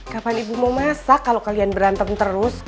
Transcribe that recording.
kapan ibu mau masak kalau kalian berantem terus